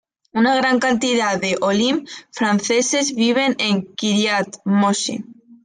Una gran cantidad de olim franceses viven en Kiryat Moshe.